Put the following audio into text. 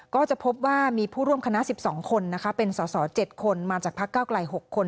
ก็จะพบว่ามีผู้ร่วมคณะ๑๒คนนะคะเป็นสอสอ๗คนมาจากพักเก้าไกล๖คน